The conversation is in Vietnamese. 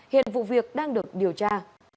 hiện vụ việc đang được điều tra